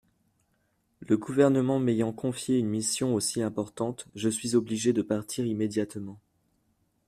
Le gouvernement m'ayant confié une mission aussi importante, je suis obligé de partir immédiatement.